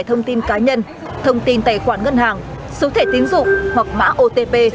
thông tin cá nhân thông tin tài khoản ngân hàng số thể tín dụng hoặc mã otp